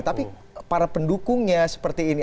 tapi para pendukungnya seperti ini